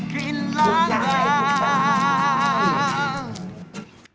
กินร้านดัง